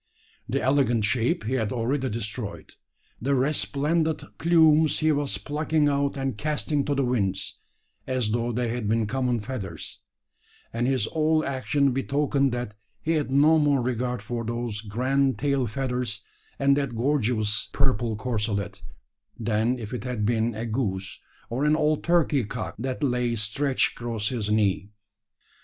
The elegant shape he had already destroyed; the resplendent plumes he was plucking out and casting to the winds, as though they had been common feathers; and his whole action betokened that he had no more regard for those grand tail feathers and that gorgeous purple corselet, than if it had been a goose, or an old turkey cock that lay stretched across his knee.